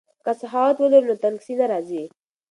که سخاوت ولرو نو تنګسي نه راځي.